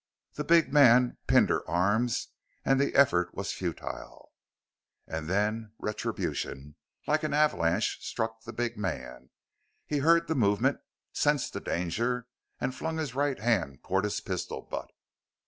The big man pinned her arms and the effort was futile. And then retribution like an avalanche struck the big man. He heard the movement, sensed the danger, and flung his right hand toward his pistol butt.